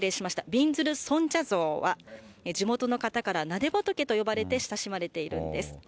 びんずる尊者像は、地元の方からなで仏として親しまれているんです。